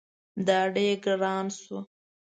دا ډیر ګران شو